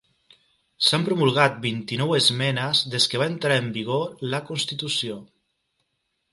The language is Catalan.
S'han promulgat vint-i-nou esmenes des que va entrar en vigor la Constitució.